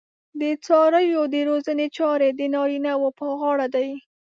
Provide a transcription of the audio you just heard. د څارویو د روزنې چارې د نارینه وو پر غاړه دي.